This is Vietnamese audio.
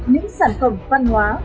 những sản phẩm văn hóa